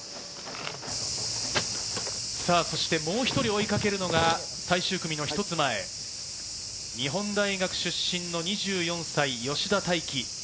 そしてもう１人追いかけるのが最終組の一つ前、日本大学出身の２４歳、吉田泰基。